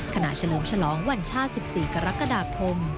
เฉลิมฉลองวันชาติ๑๔กรกฎาคม